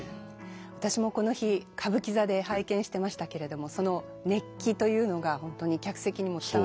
私もこの日歌舞伎座で拝見してましたけれどもその熱気というのが本当に客席にも伝わってきて。